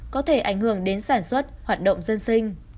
có thể ảnh hưởng đến sản xuất hoạt động dân sinh